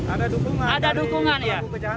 ada dukungan dari pelanggung kejahatan